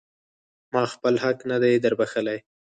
ما خپل حق نه دی در بښلی.